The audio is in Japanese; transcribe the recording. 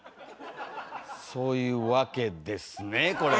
そういうわけですねこれは。